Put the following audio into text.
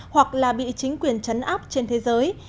hoặc là bị chính quyền chấn áp trên thế giới